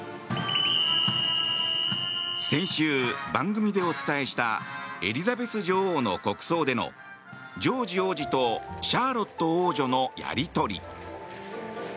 先週、番組でお伝えしたエリザベス女王の国葬でのジョージ王子とシャーロット王女のやり取り。